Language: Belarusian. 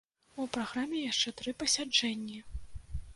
У праграме яшчэ тры пасяджэнні.